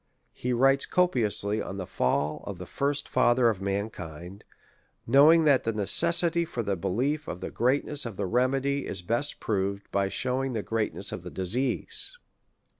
He writes copiously on the fail of the first fa ther of mankind, knowing that the necessity for the belief of the greatness of the remedy is best proved by shewing the greatness of the disease.